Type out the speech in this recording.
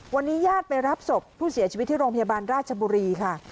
วันนี้ญาติไปรับศพผู้เสียชีวิตที่โรงพยาบาลราชบุรีค่ะ